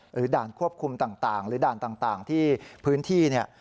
ด่านควบคุมต่างหรือด่านต่างที่พื้นที่เนี่ย